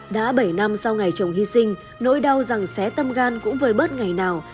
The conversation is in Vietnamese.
đã bảy năm sau ngày chồng hy sinh nỗi đau rằng xé tâm gan cũng vơi bớt ngày nào